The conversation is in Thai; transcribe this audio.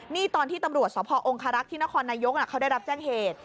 นี่ตอนที่ตำรวจสพองคารักษ์ที่นครนายกเขาได้รับแจ้งเหตุ